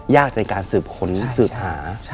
ยากในการสืบค้นสืบหา